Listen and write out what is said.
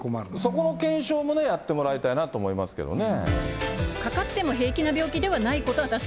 そこの検証もね、やってもらいたいなと思いますけどね。